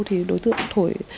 thì đối tượng thổi